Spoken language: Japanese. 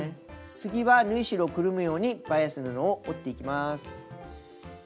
次は縫い代をくるむようにバイアス布を折っていきます。